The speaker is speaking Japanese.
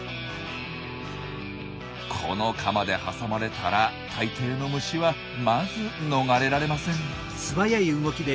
このカマで挟まれたら大抵の虫はまず逃れられません。